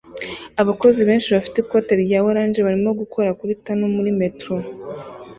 Abakozi benshi bafite ikoti rya orange barimo gukora kuri tunnel muri Metro